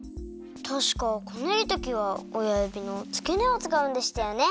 たしかこねるときはおやゆびのつけねをつかうんでしたよね！